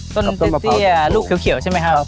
ต้นเตี้ยลูกเขียวใช่ไหมครับ